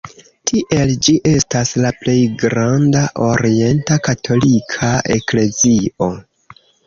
Tiel ĝi estas la plej granda orienta katolika eklezio.